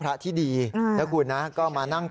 พระขู่คนที่เข้าไปคุยกับพระรูปนี้